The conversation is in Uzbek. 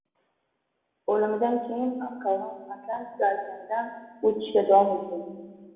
O‘limidan keyin ham Kolumb Atlantika okeanidan o‘tishda davom etgan